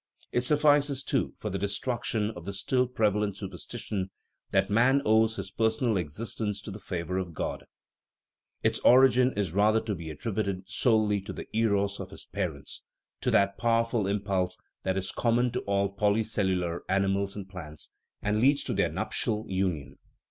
It suffices, too, for the destruction of the still prevalent superstition that man owes his personal existence to the favor of God. Its origin is rather to be attributed solely to the " eros " THE EMBRYOLOGY OF THE SOUL of his parents, to that powerful impulse that is common to all polycellular animals and plants, and leads to their nuptial union.